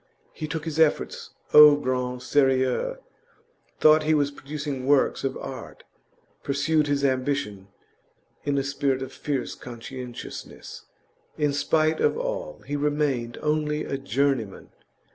He took his efforts au grand serieux; thought he was producing works of art; pursued his ambition in a spirit of fierce conscientiousness. In spite of all, he remained only a journeyman.